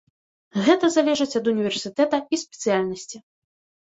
Гэта залежыць ад універсітэта і спецыяльнасці.